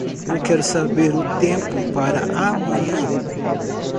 Eu quero saber o tempo para amanhã.